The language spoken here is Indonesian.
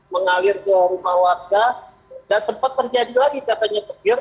mengalir ke rumah warga dan sempat terjadi lagi katanya petir